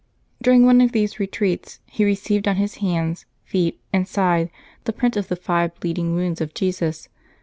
During one of these retreats he received on his hands, feet, and side the print of the five bleeding wounds of Jesus.